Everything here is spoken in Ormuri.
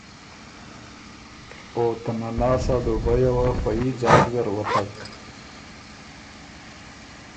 او ته نناس ا ډوبیه وه فه يي ځاک وتک